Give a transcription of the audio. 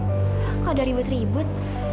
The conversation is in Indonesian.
kok ada ribut ribut